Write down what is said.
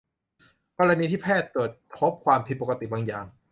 กรณีที่แพทย์ตรวจพบความผิดปกติบางอย่าง